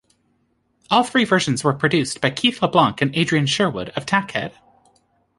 All three versions were produced by Keith LeBlanc and Adrian Sherwood of Tackhead.